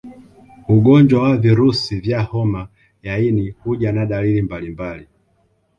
Ugonjwa wa virusi vya homa ya ini huja na dalili mbalimbali